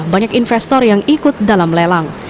banyak investor yang ikut dalam lelang